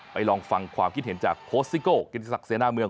ไปลองฟังความคิดเห็นจากโฮสซิโกแกนิสักเซนาเมือง